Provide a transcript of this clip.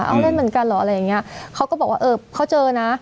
เอาเล่นเหมือนกันเหรออะไรอย่างเงี้ยเขาก็บอกว่าเออเขาเจอนะ